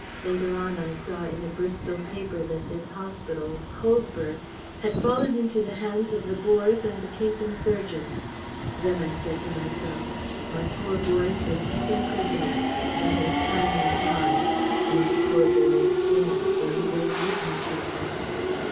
Later on I saw in a Bristol paper that this hospital Colesberg had fallen into the hands of the Boers and the Cape insurgents. Then I said to myself 'My poor boy's been taken prisoner' and as time went on, 'My poor boy's dead, or he would have written to me.'"